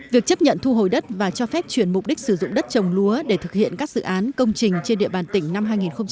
việc chấp nhận thu hồi đất và cho phép chuyển mục đích sử dụng đất trồng lúa để thực hiện các dự án công trình trên địa bàn tỉnh năm hai nghìn hai mươi